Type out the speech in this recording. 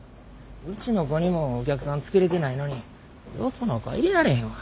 うちの子にもお客さんつけれてないのによその子は入れられへんわ。